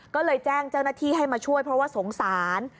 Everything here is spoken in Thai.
ก็เลยแจ้งเจ้าหน้าที่ให้มาช่วยเพราะว่าสงสาร